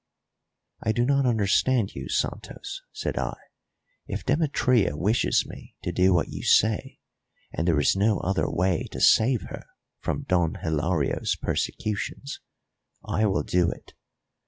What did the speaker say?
"I do not understand you, Santos," said I. "If Demetria wishes me to do what you say, and there is no other way to save her from Don Hilario's persecutions, I will do it.